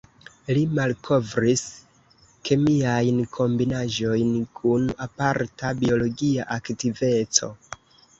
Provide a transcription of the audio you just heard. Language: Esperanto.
Li malkovris kemiajn kombinaĵojn kun aparta biologia aktiveco.